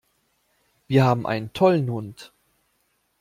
Wir haben einen tollen Hund!